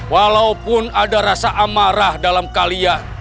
walaupun ada rasa amarah dalam kalian